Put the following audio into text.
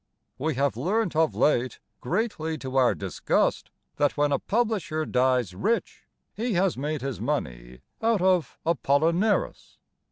We have learnt of late Greatly to our disgust That when a publisher dies rich He has made his money out of Apollinaris.